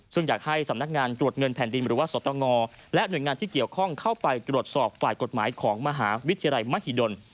ซึ่งอยากให้สำนักงานตรวจเงินแผ่นดินหรือว่าสตงและหน่วยงานที่เกี่ยวข้องเข้าไปตรวจสอบฝ่ายกฎหมายของมหาวิทยาลัยมหิดล